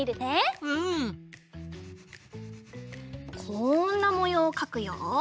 こんなもようをかくよ。